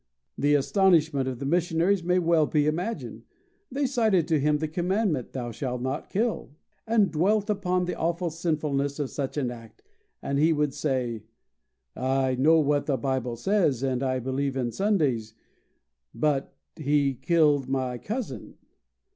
The astonishment of the missionaries may be well imagined. They cited to him the commandment, "Thou shalt not kill," and dwelt upon the awful sinfulness of such an act, and he would say, "I know what the Bible says, and I believe in Sundays, but he killed my cousin."